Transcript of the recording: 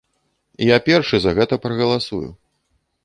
Я першы за гэта прагаласую.